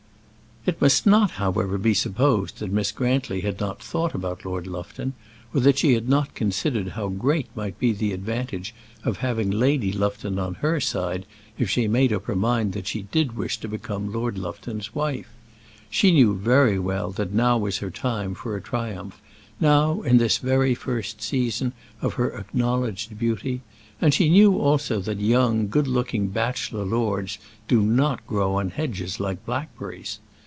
It must not, however, be supposed that Miss Grantly had not thought about Lord Lufton, or that she had not considered how great might be the advantage of having Lady Lufton on her side if she made up her mind that she did wish to become Lord Lufton's wife. She knew well that now was her time for a triumph, now in this very first season of her acknowledged beauty; and she knew also that young, good looking bachelor lords do not grow on hedges like blackberries.